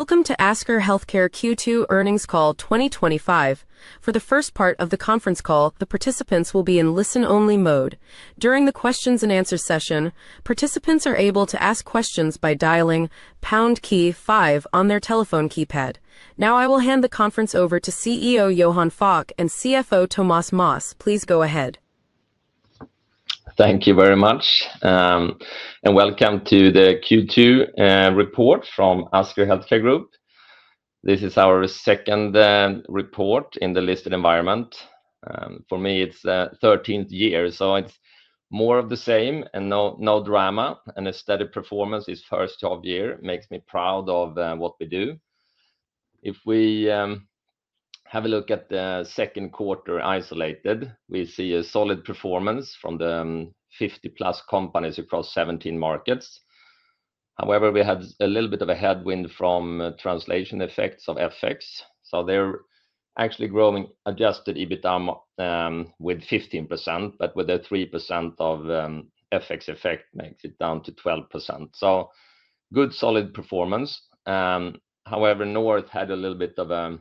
Welcome to Asker Healthcare Q2 earnings call 2025. For the first part of the conference call, the participants will be in listen only mode. During the question and answer session, participants are able to ask questions by dialing pound key five on their telephone keypad. Now I will hand the conference over to CEO Johan Falk and CFO Thomas Moss. Please go ahead. Thank you very much and welcome to the Q2 report from Asker Healthcare Group. This is our second report in the listed environment. For me it's 13th year, so it's more of the same and no drama and a steady performance is first of year. Makes me proud of what we do. If we have a look at the second quarter isolated, we see a solid performance from the 50+ companies across 17 markets. However, we had a little bit of a headwind from translation effects of FX so they're actually growing. Adjusted EBITDA with 15% but with a 3% of FX effect makes it down to 12%. Good solid performance. However, North had a little bit of a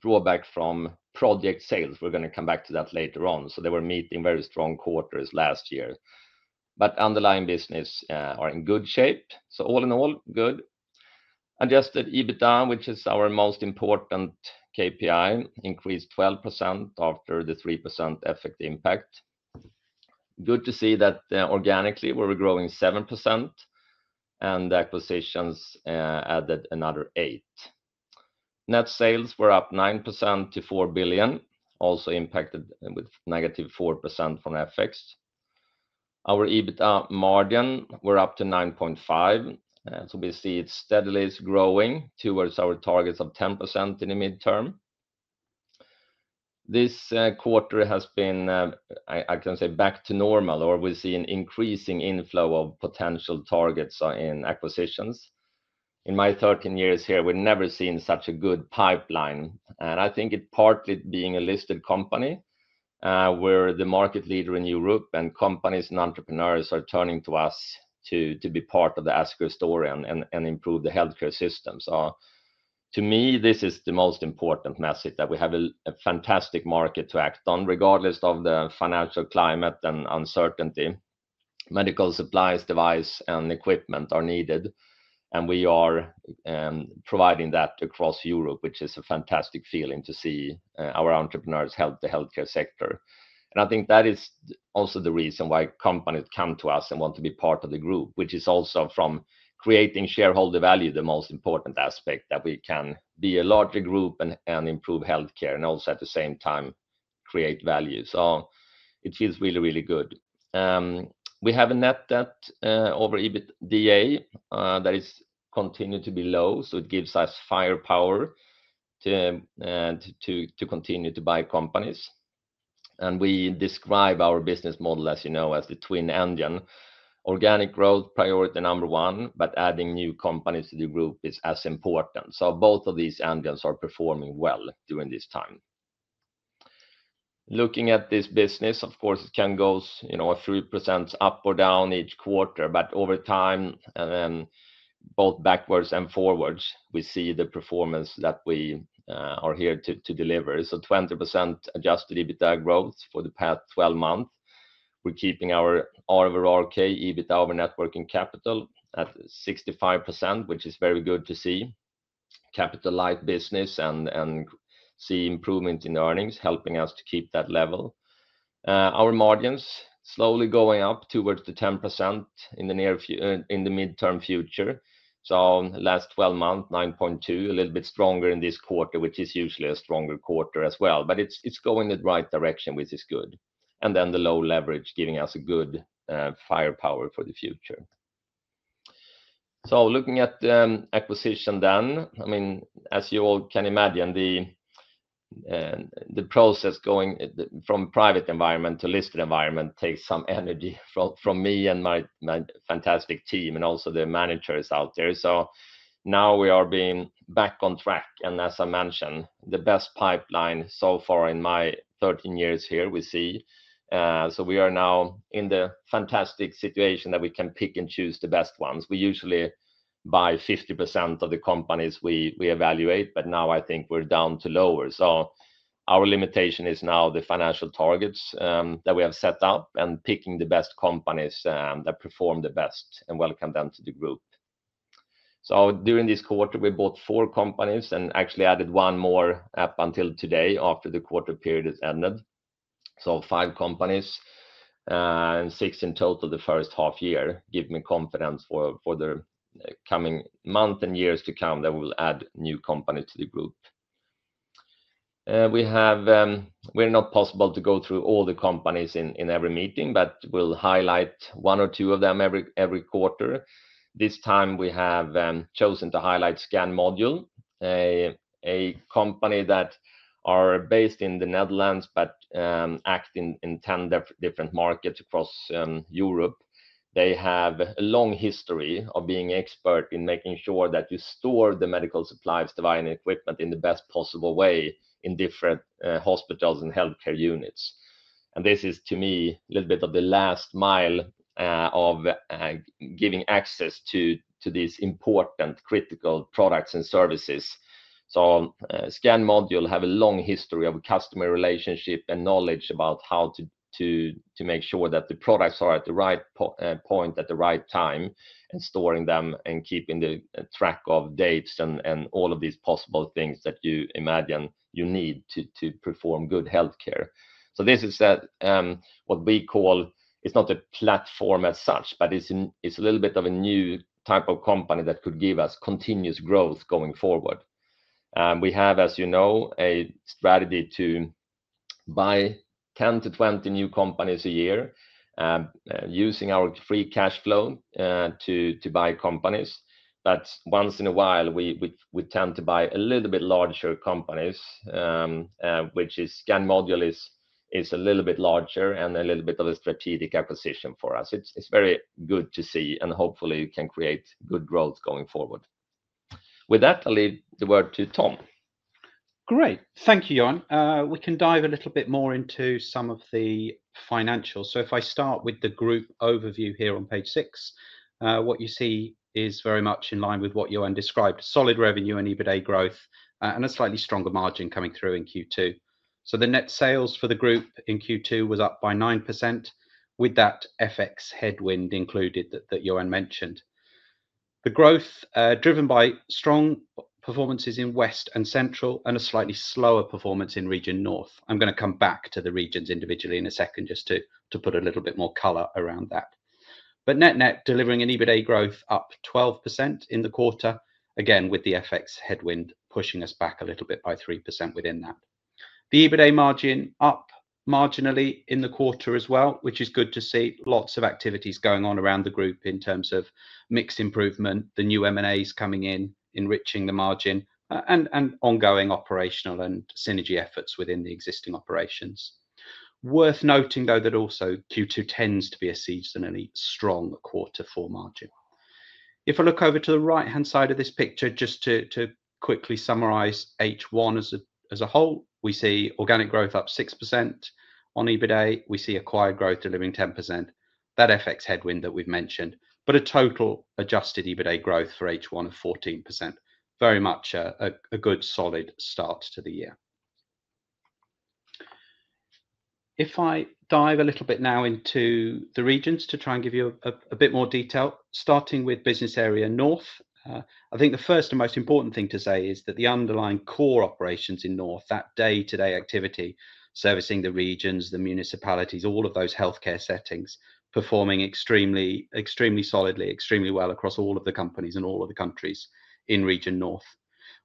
drawback from project-based sales. We're going to come back to that later on. They were meeting very strong quarters last year, but underlying business are in good shape. All in all good adjusted EBITDA which is our most important KPI increased 12% after the 3% effect impact. Good to see that organically we were growing 7% and acquisitions added another 8%. Net sales were up 9% to 4 billion. Also impacted with -4% from FX. Our EBITDA margin we're up to 9.5%. We see it steadily is growing towards our targets of 10% in the midterm. This quarter has been, I can say back to normal or we see an increasing inflow of potential targets in acquisitions. In my 13 years here, we've never seen such a good acquisition pipeline and I think it partly being a listed company where the market leader in Europe and companies and entrepreneurs are turning to us to be part of the Asker story and improve the healthcare system. To me this is the most important message that we have a fantastic market to act on regardless of the financial climate and uncertainty. Medical supplies, device and equipment are needed and we are providing that across Europe, which is a fantastic feeling to see our entrepreneurs help the healthcare sector. I think that is also the reason why companies come to us and want to be part of the group, which is also from creating shareholder value. The most important aspect that we can be a larger group and improve healthcare and also at the same time create value. It feels really, really good. We have a net debt/EBITDA ratio that is continue to be low. It gives us firepower to continue to buy companies. We describe our business model as, you know, as the twin engine organic growth priority number one. Adding new companies to the group is as important. Both of these engines are performing well during this time. Looking at this business, of course it can go 3% up or down each quarter, but over time, both backwards and forwards, we see the performance that we are here to deliver. 20% adjusted EBITDA growth for the past 12 months, we're keeping our overarch EBITDA over net working capital at 65%, which is very good to see. Capital-light business and see improvement in earnings helping us to keep that level, our margins slowly going up towards the 10% in the midterm future. Last 12 months, 9.2%, a little bit stronger in this quarter, which is usually a stronger quarter as well, but it's going the right direction, which is good, and the low leverage giving us a good firepower for the future. Looking at acquisition then, I mean, as you all can imagine, the. Process. Going from private environment to listed environment takes some energy from me and my fantastic team and also the managers out there. Now we are being back on track and as I mentioned, the best pipeline so far in my 13 years here. We see we are now in the fantastic situation that we can pick and choose the best ones. We usually buy 50% of the companies we evaluate, but now I think we're down to lower. Our limitation is now the financial targets that we have set up and picking the best companies that perform the best and welcome them to the group. During this quarter we bought four companies and actually added one more up until today after the quarter period has ended. Five companies and six in total the first half year give me confidence for the coming month and years to come that we will add new company to the group. We're not possible to go through all the companies in every meeting, but we'll highlight one or two of them every quarter. This time we have chosen to highlight Scan Modul, a company that is based in the Netherlands, but acts in 10 different markets across Europe. They have a long history of being expert in making sure that you store the medical supplies, the vital equipment in the best possible way in different hospitals and healthcare units. This is to me a little bit of the last mile of giving access to these important critical products and services. Scan Modul have a long history of customer relationship and knowledge about how to make sure that the products are at the right point at the right time and storing them and keeping track of dates and all of these possible things that you imagine you need to perform good healthcare. This is what we call it's not a platform as such, but it's a little bit of a new type of company that could give us continuous growth going forward. We have, as you know, a strategy to buy 10-20 new companies a year using our free cash flow to buy companies. Once in a while we tend to buy a little bit larger companies, which is Scan Modul, is a little bit larger and a little bit of a strategic acquisition for us. It's very good to see and hopefully can create good growth going forward. With that I'll leave the word to Tom. Great, thank you Johan. We can dive a little bit more into some of the financials. If I start with the group overview here on page six, what you see is very much in line with what Johan described. Solid revenue and EBITDA growth and a slightly stronger margin coming through in Q2. The net sales for the group in Q2 was up by 9% with that FX headwind included that Johan mentioned, the growth driven by strong performances in West and Central and a slightly slower performance in Region North. I'm going to come back to the regions individually in a second just to put a little bit more color around that, but net net delivering an EBITDA growth up 12% in the quarter again with the FX headwind pushing us back a little bit by 3%. Within that, the EBITDA margin up marginally in the quarter as well, which is good to see. Lots of activities going on around the group in terms of mix improvement, the new M&As coming in, enriching the margin and ongoing operational and synergy efforts within the existing operations. Worth noting though that also Q2 tends to be a seasonally strong quarter for margin. If I look over to the right hand side of this picture, just to quickly summarize, H1 as a whole we see organic growth up 6%. On EBITDA we see acquired growth delivering 10%, that FX headwind that we've mentioned, but a total adjusted EBITDA growth for H1 of 14%, very much a good solid start to the year. If I dive a little bit now into the regions to try and give you a bit more detail, starting with business area North, I think the first and most important thing to say is that the underlying core operations in North, that day-to-day activity servicing the regions, the municipalities, all of those healthcare settings, performing extremely solidly, extremely well across all of the companies and all of the countries in Region North.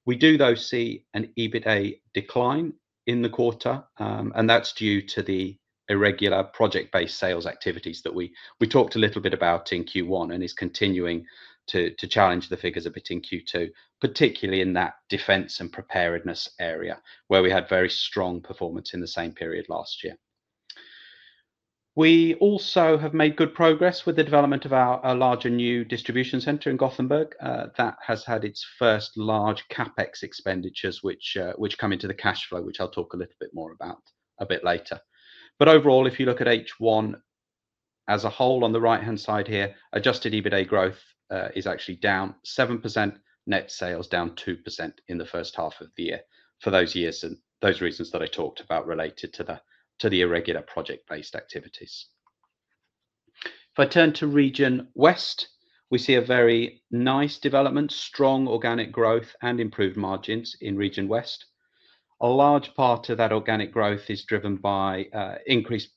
We do though see an EBITDA decline in the quarter and that's due to the irregular project-based sales activities that we talked a little bit about in Q1 and is continuing to challenge the figures a bit in Q2, particularly in that defense and preparedness area where we had very strong performance in the same period last year. We also have made good progress with the development of our larger new distribution center in Gothenburg that has had its first large CapEx expenditures which come into the cash flow, which I'll talk a little bit more about a bit later. Overall, if you look at H1 as a whole on the right-hand side here, adjusted EBITDA growth is actually down 7%. Net sales down 2% in the first half of the year for those years, and those reasons that I talked about related to the irregular project-based activities. If I turn to Region West, we see a very nice development, strong organic growth, and improved margins in Region West. A large part of that organic growth is driven by increased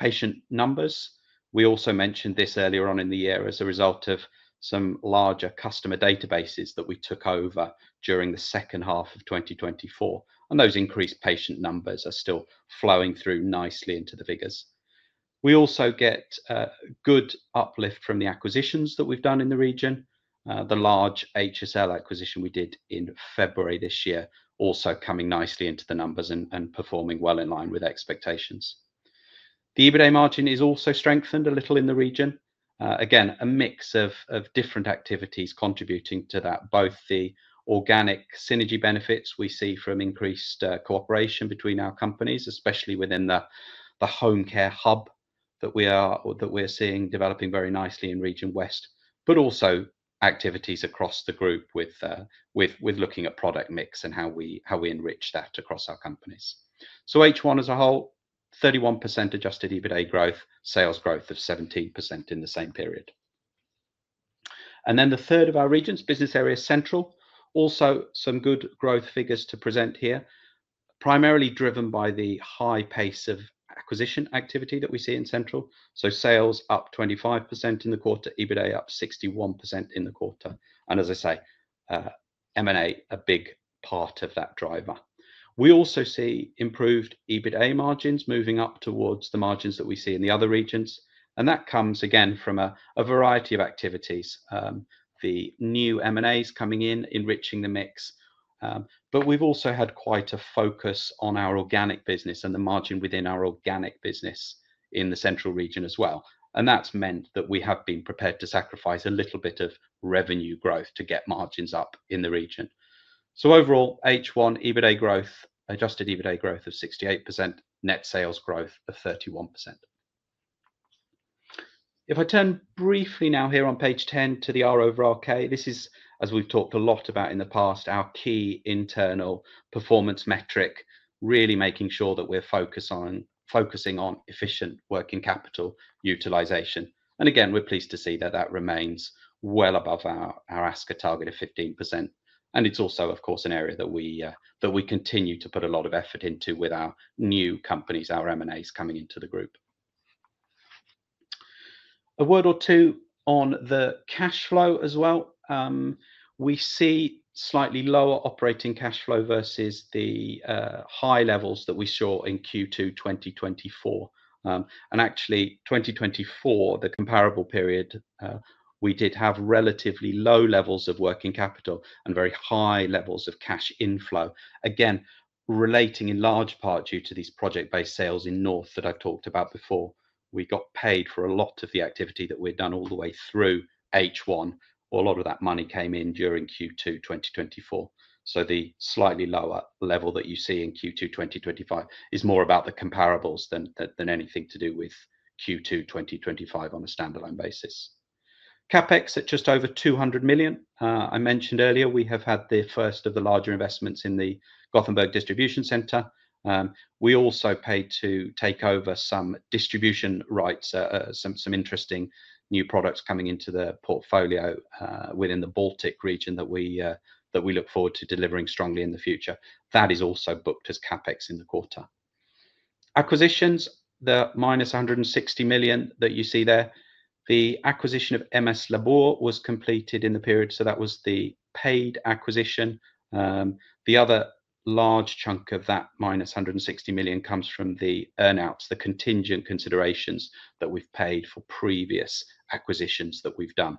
patient numbers. We also mentioned this earlier on in the year as a result of some larger customer databases that we took over during the second half of 2024, and those increased patient numbers are still flowing through nicely into the figures. We also get good uplift from the acquisitions that we've done in the region. The large HSL acquisition we did in February this year also coming nicely into the numbers and performing well in line with expectations. The EBITDA margin is also strengthened a little in the region, again a mix of different activities contributing to that. Both the organic synergy benefits we see from increased cooperation between our companies, especially within the home care hub that we're seeing developing very nicely in Region West, but also activities across the group with looking at product mix and how we enrich that across our companies. H1 as a whole, 31% adjusted EBITDA growth, sales growth of 17% in the same period, and then the third of our regions, Business Area Central. Also some good growth figures to present here, primarily driven by the high pace of acquisition activity that we see in Central. Sales up 25% in the quarter, EBITDA up 61% in the quarter, and as I say, M&A a big part of that driver. We also see improved EBITDA margins moving up towards the margins that we see in the other regions, and that comes again from a variety of activities. The new M&As coming in, enriching the mix, but we've also had quite a focus on our organic business and the margin within our organic business in the Central region as well, and that's meant that we have been prepared to sacrifice a little bit of revenue growth to get margins up in the region. Overall, H1 EBITDA growth, adjusted EBITDA growth of 68%, net sales growth of 31%. If I turn briefly now here on page 10 to the R over RK, this is, as we've talked a lot about in the past, our key internal performance metric, really making sure that we're focusing on efficient working capital utilization. We are pleased to see that remains well above our Asker target of 15%. It is also, of course, an area that we continue to put a lot of effort into with our new companies, our M&As coming into the group. A word or two on the cash flow as well. We see slightly lower operating cash flow versus the high levels that we saw in Q2 2024. In 2024, the comparable period, we did have relatively low levels of working capital and very high levels of cash inflow, again relating in large part to these project-based sales in North that I've talked about before. We got paid for a lot of the activity that we'd done all the way through H1. A lot of that money came in during Q2 2024. The slightly lower level that you see in Q2 2025 is more about the comparables than anything to do with Q2 2025 on a standalone basis. CapEx at just over 200 million I mentioned earlier. We have had the first of the larger investments in the Gothenburg distribution center. We also paid to take over some distribution rights, some interesting new products coming into the portfolio within the Baltic region that we look forward to delivering strongly in the future. That is also booked as CapEx in the quarter acquisitions. The -160 million that you see there, the acquisition of MS Labor was completed in the period, so that was the paid acquisition. The other large chunk of that -160 million comes from the earn-outs, the contingent considerations that we've paid for previous acquisitions that we've done.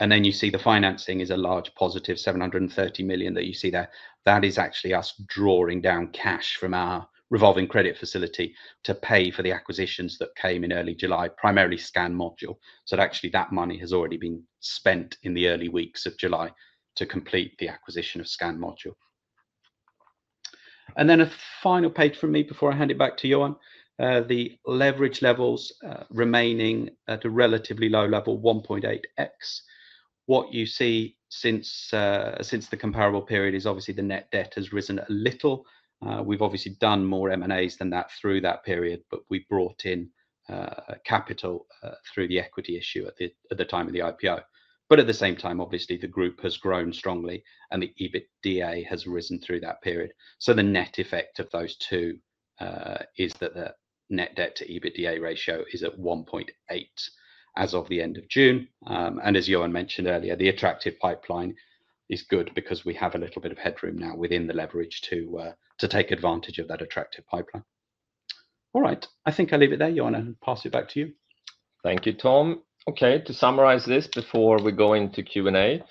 You see the financing is a large +730 million that you see there. That is actually us drawing down cash from our revolving credit facility to pay for the acquisitions that came in early July, primarily Scan Modul. That money has already been spent in the early weeks of July to complete the acquisition of Scan Modul. A final page from me before I hand it back to Johan, the leverage levels remaining at a relatively low level, 1.8x. What you see since the comparable period is obviously the net debt has risen a little. We have done more M&As through that period. We brought in capital through the equity issue at the time of the IPO. At the same time, the group has grown strongly and the EBITDA has risen through that period. The net effect of those two is that the net debt to EBITDA ratio is at 1.8 as of the end of June. As Johan mentioned earlier, the attractive pipeline is good because we have a little bit of headroom now within the leverage to take advantage of that attractive pipeline. I think I'll leave it there, Johan, and pass it back to you. Thank you, Tom. Okay, to summarize this before we go into Q and A.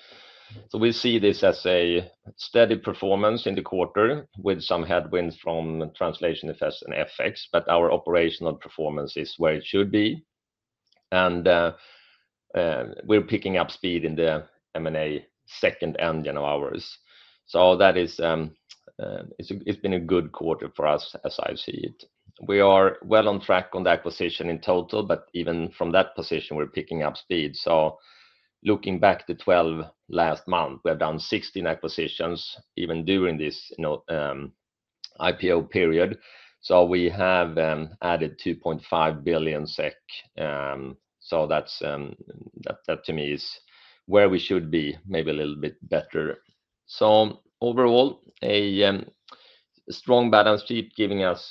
We see this as a steady performance in the quarter with some headwinds from translations and FX. Our operational performance is where it should be, and we're picking up speed in the M&A second engine of ours. That is, it's been a good quarter for us. As I see it, we are well on track on the acquisition in total, but even from that position we're picking up speed. Looking back to the last 12 months, we've done 16 acquisitions even during this IPO period. We have added 2.5 billion SEK. That to me is where we should be, maybe a little bit better. Overall, a strong balance sheet gives us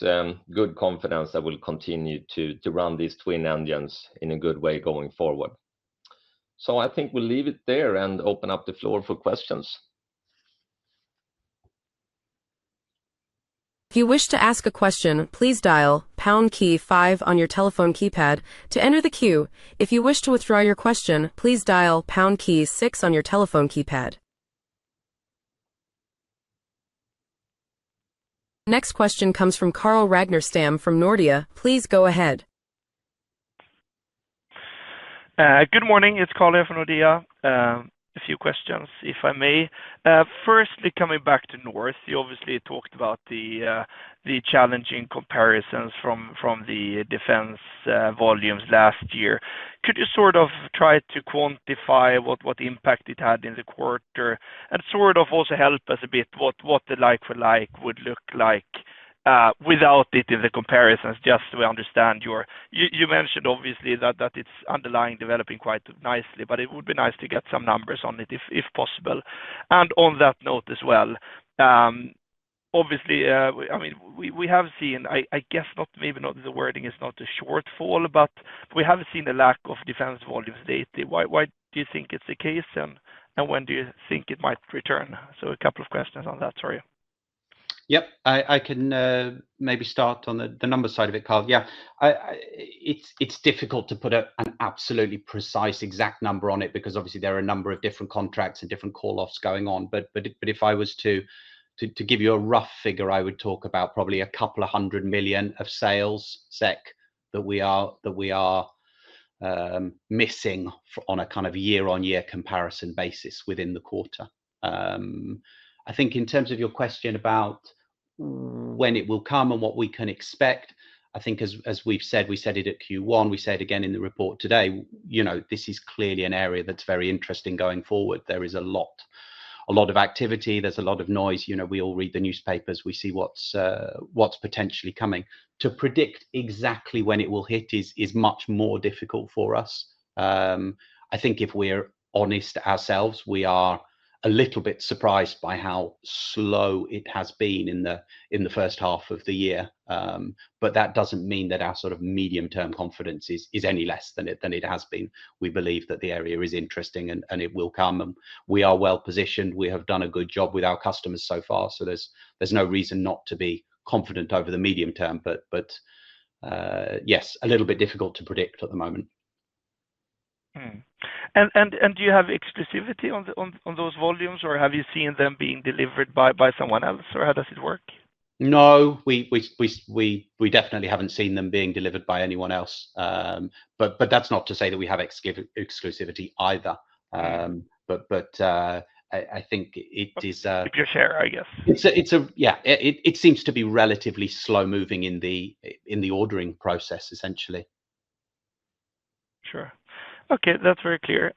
good confidence that we'll continue to run these twin engines in a good way going forward. I think we'll leave it there and open up the floor for questions. If you wish to ask a question, please dial pound key five` on your telephone keypad to enter the queue. If you wish to withdraw your question, please dial pound key six on your telephone keypad. Next question comes from Carl Ragnerstam from Nordea. Please go ahead. Good morning, it's Carl from Nordea. A few questions if I may. First, coming back to North, you obviously talked about the challenging comparisons from the defense volumes last year. Could you try to quantify what impact it had in the quarter and also help us a bit what the like-for-like would look like without it in the comparisons. Just. We understand you. You mentioned obviously that it's underlying developing quite nicely, but it would be nice to get some numbers on it if possible. On that note as well, obviously, I mean we have seen, I guess not, maybe not, the wording is not a shortfall, but we have seen a lack of defense volumes lately. Why do you think it's the case and when do you think it might return? A couple of questions on that, sorry. Yep. I can maybe start on the numbers side of it, Carl. Yeah, it's difficult to put an absolutely precise exact number on it because obviously there are a number of different contracts and different call offs going on. If I was to give you a rough figure, I would talk about probably a couple of hundred million SEK of sales that we are missing on a kind of year-on-year comparison basis within the quarter. I think in terms of your question about when it will come and what we can expect, as we've said, we said it at Q1, we said again in the report today, you know, this is clearly an area that's very interesting going forward. There is a lot, a lot of activity. There's a lot of noise. You know, we all read the newspapers. We see what's potentially coming. To predict exactly when it will hit is much more difficult for us. I think if we're honest ourselves, we are a little bit surprised by how slow it has been in the first half of the year. That doesn't mean that our sort of medium-term confidence is any less than it has been. We believe that the area is interesting and it will come and we are well positioned. We have done a good job with our customers so far. There's no reason not to be confident over the medium term. Yes, a little bit difficult to predict at the moment. Do you have exclusivity on those volumes, or have you seen them being delivered by someone else, or how does it work? No, we definitely haven't seen them being delivered by anyone else. That's not to say that we have exclusivity either. I think it is your share, I guess. Yeah, it seems to be relatively slow moving in the ordering process essentially. Sure. Okay, that's very clear.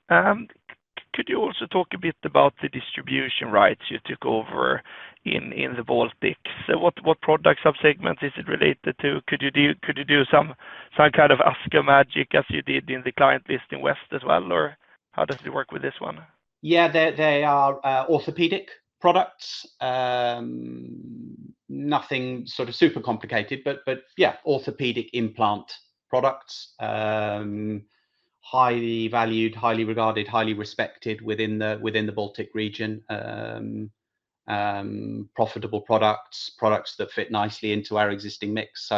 Could you also talk a bit about the distribution rights you took over in the Baltics? What product subsegments is it related to? Could you do some kind of Asker magic as you did in the client list in West as well, or how does it work with this one? Yeah, they are orthopedic products. Nothing sort of super complicated, but yeah, orthopedic implant products. Highly valued, highly regarded, highly respected within the Baltic region. Profitable products, products that fit nicely into our existing mix.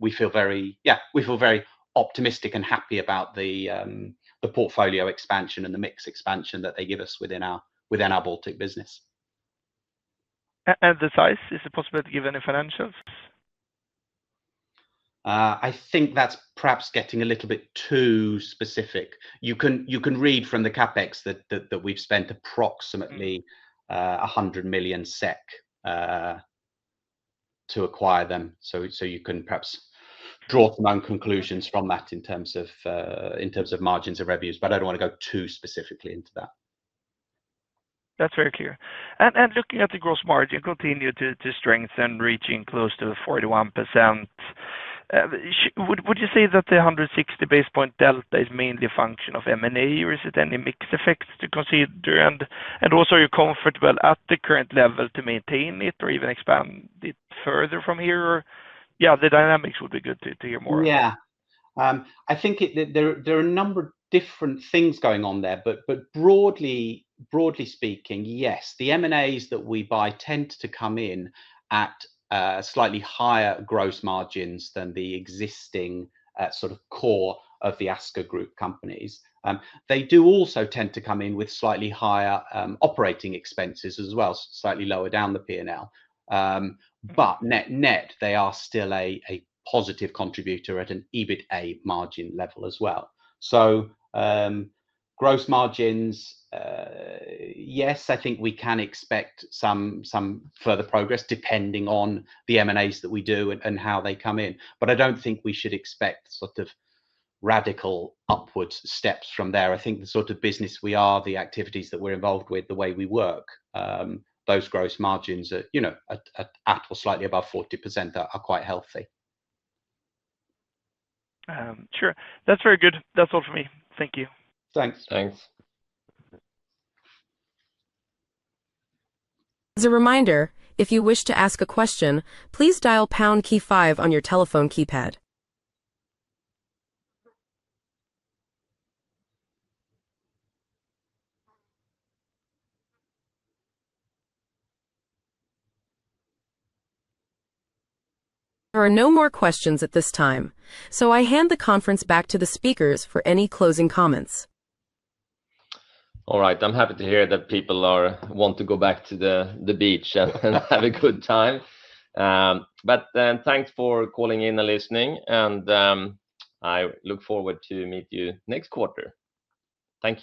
We feel very optimistic and happy about the portfolio expansion and the mix expansion that they give us within our Baltic business. Is it possible to give any financials regarding the size? I think that's perhaps getting a little bit too specific. You can read from the CapEx that we've spent approximately 100 million SEK to acquire them. You can perhaps draw some own conclusions from that in terms of margins or revenues, but I don't want to go too specifically into that. That's very clear. Looking at the gross margin, it continues to strengthen, reaching close to 41%. Would you say that the 160 basis point delta is mainly a function of M&A, or is it any mixed effects to consider? Also, are you comfortable at the current level to maintain it or even expand a bit further from here? The dynamics would be good to hear more. Yeah, I think there are a number of different things going on there, but broadly speaking, yes, the M&As that we buy tend to come in at slightly higher gross margins than the existing sort of core of the Asker Group companies. They do also tend to come in with slightly higher operating expenses as well, slightly lower down the P&L. Net net they are still a positive contributor at an EBITDA margin level as well. Gross margins, yes, I think we can expect some further progress depending on the M&As that we do and how they come in. I don't think we should expect sort of radical upwards steps from there. I think the sort of business we are, the activities that we're involved with, the way we work, those gross margins, you know, at or slightly above 40% are quite healthy. Sure, that's very good. That's all for me, thank you. Thanks. Thanks. As a reminder, if you wish to ask a question, please dial pound key five on your telephone keypad. There are no more questions at this time, so I hand the conference back to the speakers for any closing comments. All right, I'm happy to hear that people want to go back to the beach and have a good time. Thanks for calling in and listening, and I look forward to meet you next quarter. Thank you.